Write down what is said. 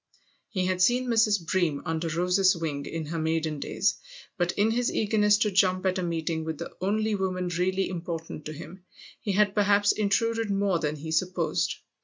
He had seen Mrs. Bream, under Rose's wing, in her maiden days ; but in his eagerness to jump at a meeting with the only woman really important to him he had perhaps intruded more than he supposed.